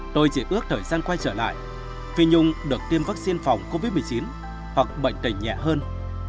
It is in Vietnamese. tôi chỉ ước thời gian quay trở lại phi nhung được tiêm vaccine phòng covid một mươi chín hoặc bệnh tình nhẹ hơn